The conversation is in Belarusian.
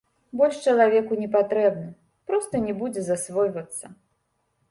Больш чалавеку не патрэбна, проста не будзе засвойвацца.